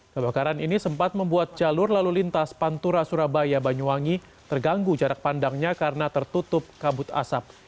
kebakaran ini sempat membuat jalur lalu lintas pantura surabaya banyuwangi terganggu jarak pandangnya karena tertutup kabut asap